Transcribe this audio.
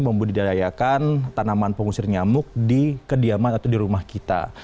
membudidayakan tanaman pengusir nyamuk di kediaman atau di rumah kita